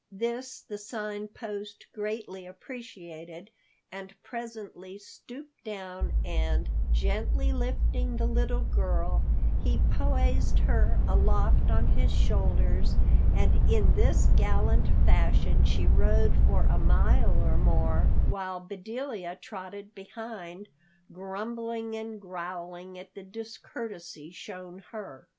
This the Sign Post greatly appreciated, and presently stooped down and, gently lifting the little girl, he poised her aloft on his shoulders, and in this gallant fashion she rode for a mile or more, while Bedelia trotted behind, grumbling and growling at the discourtesy shown her.